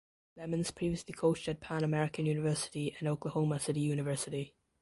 Lemons previously coached at Pan American University and Oklahoma City University.